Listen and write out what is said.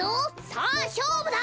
さあしょうぶだ。